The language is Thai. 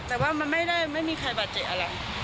แต่ว่ามันไม่ได้ไม่มีใครบาดเจ็บอะไร